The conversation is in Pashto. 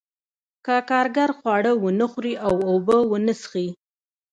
که کارګر خواړه ونه خوري او اوبه ونه څښي